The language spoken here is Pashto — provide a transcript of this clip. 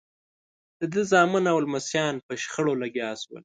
د ده زامن او لمسیان په شخړو لګیا شول.